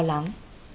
và lo lắng